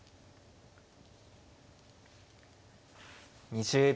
２０秒。